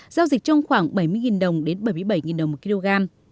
giao dịch trong khoảng bảy mươi đồng đến bảy mươi bảy đồng một kg